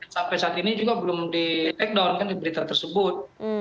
sampai saat ini juga belum di take down kan di berita tersebut